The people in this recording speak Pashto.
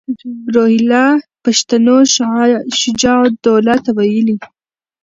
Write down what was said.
روهیله پښتنو شجاع الدوله ته ویلي.